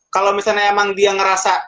kalau misalnya emang dia ngerasa